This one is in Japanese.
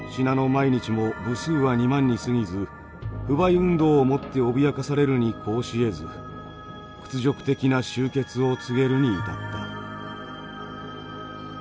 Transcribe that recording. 毎日も部数は２万にすぎず不買運動をもって脅かされるに抗しえず屈辱的な終結を告げるに至った」。